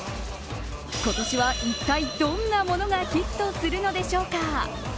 今年はいったい、どんなものがヒットするのでしょうか。